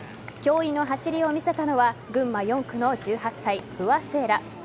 驚異の走りを見せたのは群馬４区の１８歳不破聖衣来。